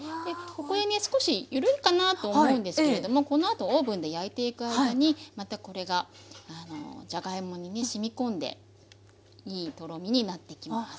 ここへね少し緩いかなと思うんですけれどもこのあとオーブンで焼いていく間にまたこれがじゃがいもにねしみ込んでいいとろみになってきます。